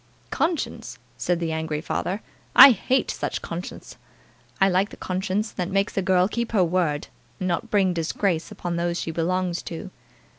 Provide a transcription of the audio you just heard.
"Conscience!" said the angry father. "I hate such conscience. I like the conscience that makes a girl keep her word, and not bring disgrace upon those she belongs to."